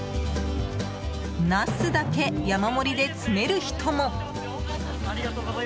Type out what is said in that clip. ナスだけ山盛りで詰める人も。